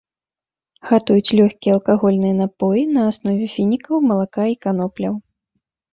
Гатуюць лёгкія алкагольныя напоі на аснове фінікаў, малака і канопляў.